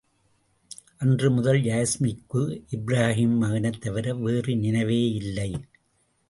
அன்று முதல் யாஸ்மிக்கு, இப்ராஹீம் மகனைத் தவிர வேறு நினைவேயில்லை!